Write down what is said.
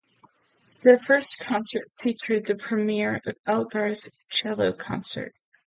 Their first concert featured the premiere of Elgar's Cello Concerto.